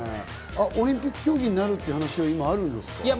オリンピック競技になるっていう話が今、あるんですか？